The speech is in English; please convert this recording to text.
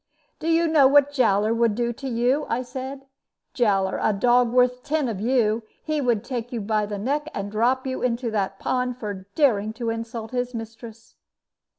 "Do you know what Jowler would do to you?" I said; "Jowler, a dog worth ten of you. He would take you by the neck and drop you into that pond for daring to insult his mistress!"